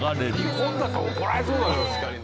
「日本だと怒られそう」